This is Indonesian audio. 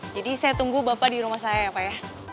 jadi saya tunggu bapak di rumah saya ya pak ya